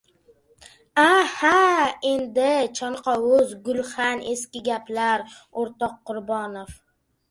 Aha, endi, chanqovuz, gulxan... eski gaplar, o‘rtoq Qurbonov.